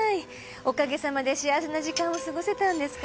お陰さまで幸せな時間を過ごせたんですから。